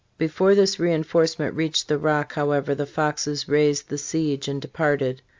Before this reinforcement reached the Rock, however, the Foxes raised the siege and departed.